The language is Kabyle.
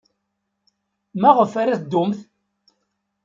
Maɣef ara teddumt?